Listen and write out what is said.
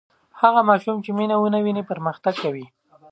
هغه ماشوم چې مینه ویني پرمختګ کوي.